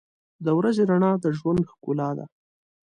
• د ورځې رڼا د ژوند ښکلا ده.